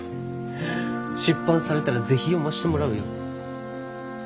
出版されたら是非読ましてもらうよ。